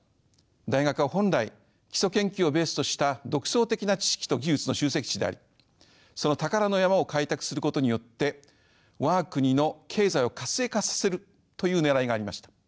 大学は本来基礎研究をベースとした独創的な知識と技術の集積地でありその宝の山を開拓することによって我が国の経済を活性化させるというねらいがありました。